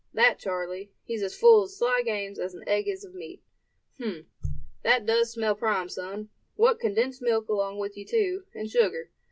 That Charley, he's as full of sly games as an egg is of meat. H'm! that does smell prime, son. What, condensed milk along with you, too, and sugar.